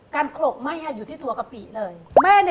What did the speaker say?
โขลกไหม้อยู่ที่ตัวกะปิเลย